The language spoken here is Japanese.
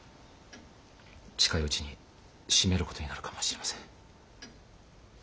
近いうちに閉める事になるかもしれません。